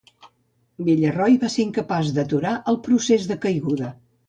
Villeroi va ser incapaç d'aturar el procés de caiguda.